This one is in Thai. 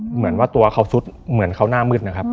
เหมือนว่าตัวเขาซุดเหมือนเขาหน้ามืดนะครับ